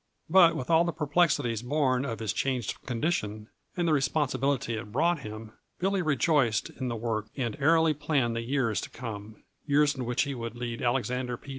But with all the perplexities born of his changed condition and the responsibility it brought him, Billy rejoiced in the work and airily planned the years to come years in which he would lead Alexander P.